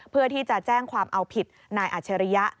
เพื่อที่จะแจ้งความเอาผิดนายอัชริยะ